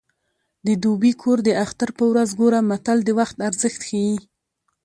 د دوبي کور د اختر په ورځ ګوره متل د وخت ارزښت ښيي